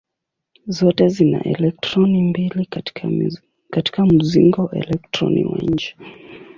Zote zina elektroni mbili katika mzingo elektroni wa nje.